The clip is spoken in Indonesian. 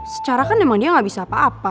secara kan emang dia gak bisa apa apa